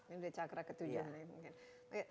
ini cakra ketujuh